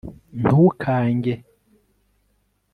ntukange